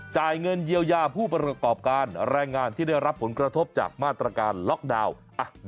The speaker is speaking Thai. จ่ายเงินเยียวยาผู้ประกอบการแรงงานที่ได้รับผลกระทบจากมาตรการล็อกดาวน์